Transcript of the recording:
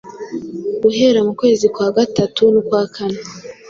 Guhera mu kwezi kwa gatatu n’ukwa kane,